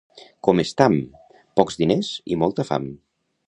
—Com estam? —Pocs diners i molta fam!